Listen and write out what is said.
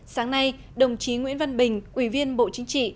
sáng nay đồng chí nguyễn văn bình ủy viên bộ chính trị